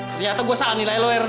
ternyata gue salah nilai lo ya ren